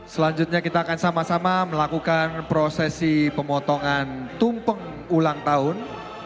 selanjutnya kita akan sama sama melakukan prosesi pemotongan tumpeng ulang tahun